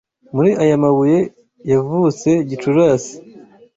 muri aya mabuye yavutse Gicurasi,